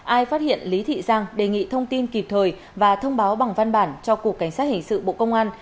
ai phát hiện lý thị giang đề nghị thông tin kịp thời và thông báo bằng văn bản cho cục cảnh sát hình sự bộ công an